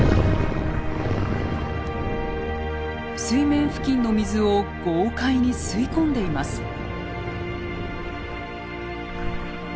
水面付近の水を豪快に吸い込んでいます。